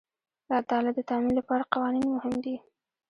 د عدالت د تامین لپاره قوانین مهم دي.